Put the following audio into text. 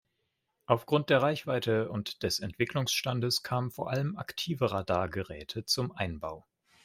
Aufgrund der Reichweite und des Entwicklungsstandes kamen vor allem aktive Radargeräte zum Einbau.